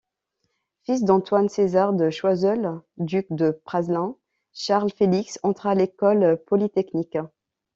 Fils de Antoine-César de Choiseul, duc de Praslin, Charles-Félix entra à l'école polytechnique.